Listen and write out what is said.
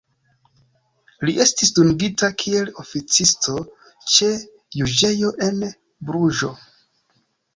Li estis dungita kiel oficisto ĉe juĝejo en Bruĝo.